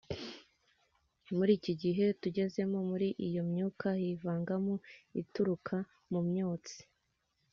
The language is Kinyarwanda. muri iki gihe tugezemo, muri iyo myuka hivangamo ituruka mu myotsi